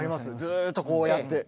ずっとこうやって。